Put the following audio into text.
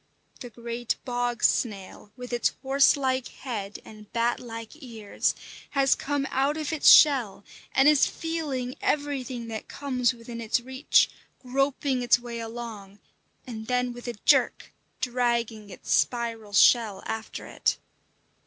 The great bog snail, with its horse like head and bat like ears, has come out of its shell and is feeling everything that comes within its reach, groping its way along, and then with a jerk dragging its spiral shell after it.